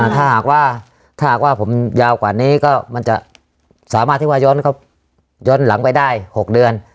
ถ้าหากว่าผมยาวกว่านี้ก็มันจะสามารถที่ว่าย้อนก็ย้อนหลังไปได้๖เดือน